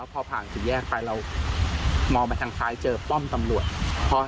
พอผ่านสี่แยกไปเรามองไปทางซ้ายเจอป้อมตำรวจ